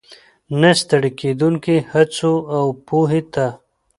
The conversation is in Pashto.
، نه ستړې کېدونکو هڅو، او پوهې ته